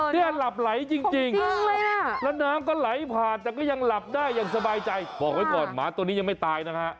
เนี่ยหลับไหลจริงแล้วน้ำก็ไหลผ่านแต่ก็ยังหลับได้อย่างสบายใจบอกไว้ก่อนหมาตัวนี้ยังไม่ตายนะฮะ